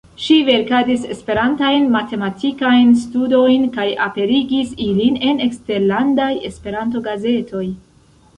Ŝi verkadis Esperantajn matematikajn studojn kaj aperigis ilin en eksterlandaj Esperanto-gazetoj.